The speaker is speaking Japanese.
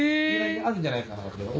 意外にあるんじゃないかなと。